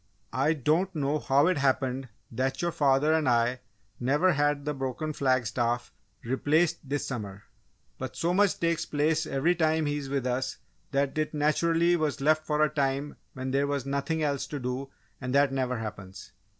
"I don't know how it happened that your father and I never had the broken flag staff replaced this summer, but so much takes place every time he is with us, that it naturally was left for a time when there was nothing else to do and that never happens!"